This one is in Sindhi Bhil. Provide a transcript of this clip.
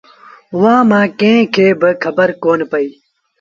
اُئآݩٚ مآݩٚ ڪݩهݩ کي با کبر ڪون پئيٚ